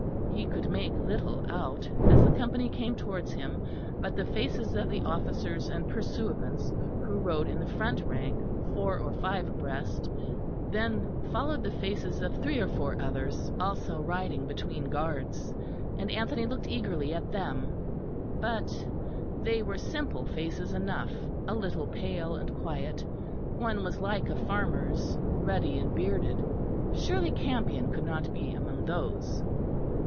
He could make little out, as the company came towards him, but the faces of the officers and pursuivants who rode in the front rank, four or five abreast; then followed the faces of three or four others, also riding between guards, and Anthony looked eagerly at them; but they were simple faces enough, a little pale and quiet; one was like a farmer's, ruddy and bearded; surely Campion could not be among those!